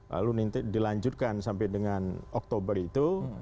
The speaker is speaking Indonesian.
lalu dilanjutkan sampai dengan oktober itu